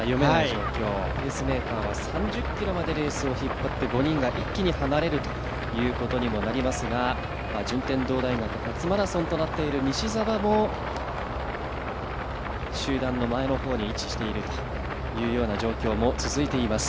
ペースメーカーは３０ｋｍまでレースを引っ張って５人が一気に離れるということになりますが、順天堂大学、初マラソンとなっている西澤も集団の前の方に位置する状態が続いています。